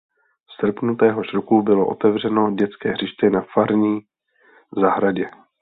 V srpnu téhož roku bylo otevřeno dětské hřiště na farní zahradě.